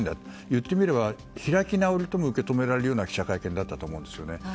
いってみれば開き直りとも受け止められるような記者会見だったと思うんですね。